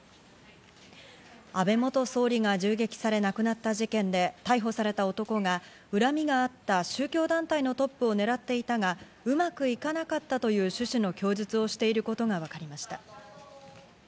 安倍元総理が銃撃され亡くなった事件で逮捕された男が、恨みがあった宗教団体のトップを狙っていたがうまくいかなかったという趣旨の供述をしていることがわかりました。